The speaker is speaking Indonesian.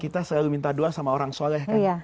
kita selalu minta doa sama orang soleh kan